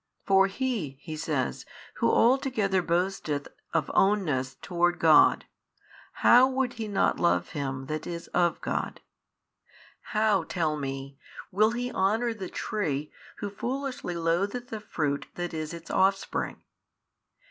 For he (He says) who altogether boasteth of ownness toward God, how would he not love Him That is of God? how (tell me) will he honour the tree who foolishly loatheth the fruit that is its offspring?